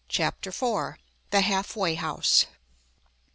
CHAPTER IV. THE HALF WAY HOUSE.